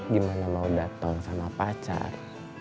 gimana mau datang sama pacar